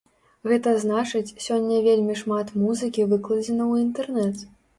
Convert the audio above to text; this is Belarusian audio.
Гэта значыць, сёння вельмі шмат музыкі выкладзена ў інтэрнэт.